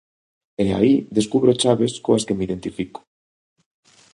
E aí descubro chaves coas que me identifico.